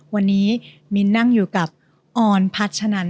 วันนี้มิ้นนั่งอยู่กับออนพัชนัน